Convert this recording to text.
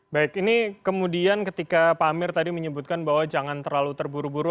baik ini kemudian ketika pak amir tadi menyebutkan bahwa jangan terlalu terburu buru